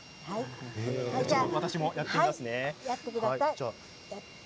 私もやってみますね。